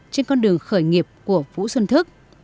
trên con đường khởi nghiệp của phú xuân thức